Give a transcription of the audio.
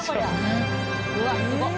うわっすごっ。